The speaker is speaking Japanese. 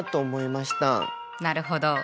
なるほど。